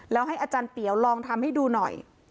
แล้วให้อาจารย์เตี๋ยวลองทำให้ดูหน่อย